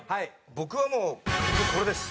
僕はもうこれです。